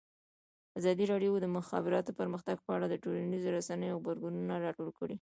ازادي راډیو د د مخابراتو پرمختګ په اړه د ټولنیزو رسنیو غبرګونونه راټول کړي.